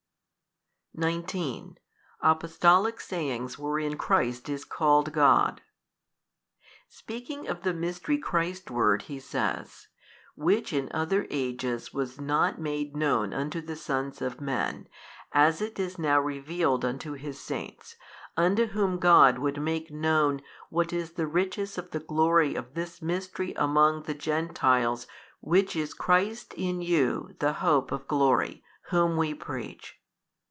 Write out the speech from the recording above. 19. Apostolic sayings wherein Christ is called God. Speaking of the Mystery Christward, he says, Which in other ages was not made known unto the sons of men, as it is now revealed unto His saints, unto whom God would make known what is the riches of the glory of this mystery among the Gentiles which is Christ in you the hope of glory, Whom we preach.